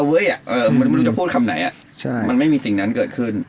ไม่รู้จะพูดคำไหนมันไม่มีสิ่งนั้นเกิดขึ้น